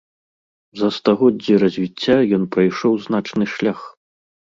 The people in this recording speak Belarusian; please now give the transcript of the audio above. За стагоддзі развіцця ён прайшоў значны шлях.